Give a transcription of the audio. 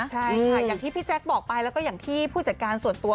ใช่ค่ะอย่างที่พี่แจ๊คบอกไปแล้วก็อย่างที่ผู้จัดการส่วนตัว